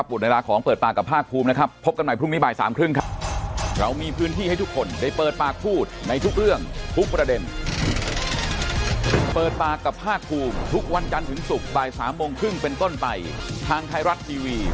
หมดเวลาของเปิดปากกับภาคภูมินะครับพบกันใหม่พรุ่งนี้บ่ายสามครึ่งครับ